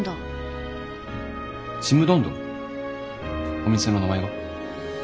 お店の名前が？